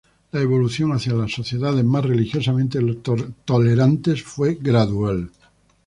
La evolución hacia sociedades más religiosamente tolerantes fue gradual.